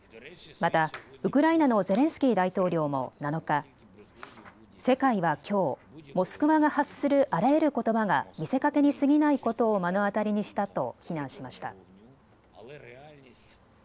またウクライナのゼレンスキー大統領も７日、世界はきょう、モスクワが発するあらゆることばが見せかけにすぎないことを目の当たりにしたと非難しました。